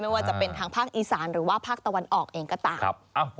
ว่าจะเป็นทางภาคอีสานหรือว่าภาคตะวันออกเองก็ตาม